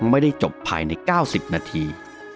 ไม่ได้จบภายใน๙๐นาที